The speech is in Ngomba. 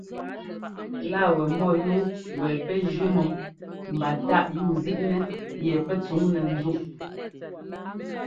Lá wɛ mɔ́yúu wɛ pɛ́ jʉ́ mɔ mba táꞌ yúuzíꞌnɛ yɛ pɛ́ tsuŋnɛ́ ńzúꞌ.